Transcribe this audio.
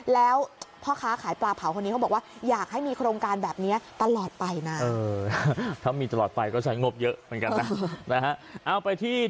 แล้วพ่อค้าขายปลาเผาคนนี้เขาบอกว่าอยากให้มีโครงการแบบนี้ตลอดไปนะ